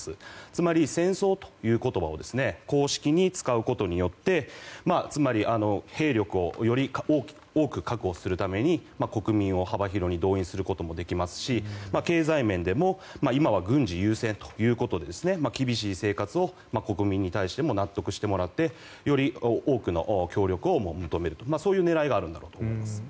つまり、戦争という言葉を公式に使うことによってつまり、兵力をより多く確保するために国民を幅広く動員することもできますし経済面でも今は軍事優先ということで厳しい生活を国民に対しても納得してもらってより多くの協力を求めるというそういう狙いがあると思います。